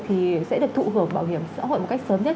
thì sẽ được thụ hưởng bảo hiểm xã hội một cách sớm nhất